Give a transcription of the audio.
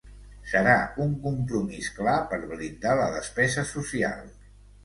Serà un compromís clar per blindar la despesa social.